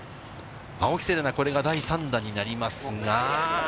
青木瀬令奈、これが第３打になりますが。